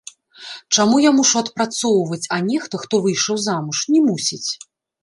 Чаму я мушу адпрацоўваць, а нехта, хто выйшаў замуж, не мусіць?